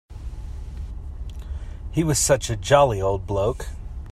He was such a jolly old bloke.